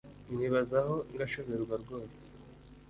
Nkwibazaho ngashoberwa rwose